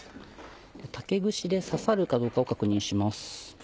竹串で刺さるかどうかを確認します。